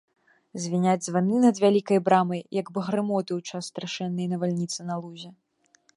Звіняць званы над вялікай брамай, як бы грымоты ў час страшэннай навальніцы на лузе.